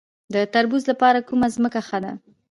د تربوز لپاره کومه ځمکه ښه ده؟